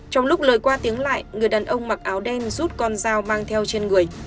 trong lúc lời qua tiếng lại người đàn ông mặc áo đen rút con dao mang theo trên người